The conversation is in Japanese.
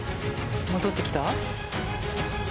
戻ってきた？